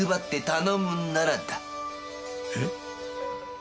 えっ。